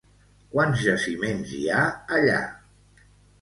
Quants jaciments hi ha allà?